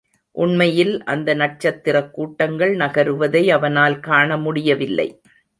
உண்மையில், அந்த நட்சத்திரக் கூட்டங்கள் நகருவதை அவனால் காணமுடியவில்லை.